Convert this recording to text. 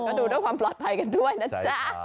ก็ดูด้วยความปลอดภัยกันด้วยนะจ๊ะ